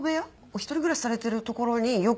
一人暮らしされてる所によく。